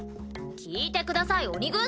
聞いてください鬼軍曹。